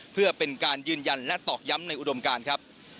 เพื่อเป็นการยืนยันและตอกย้ำในอุดมการครับ